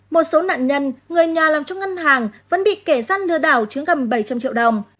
một số nạn nhân người nhà làm cho ngân hàng vẫn bị kẻ gian lừa đảo chứng gầm bảy trăm linh triệu đồng